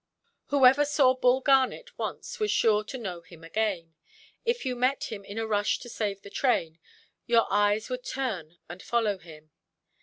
Whoever saw Bull Garnet once was sure to know him again. If you met him in a rush to save the train, your eyes would turn and follow him.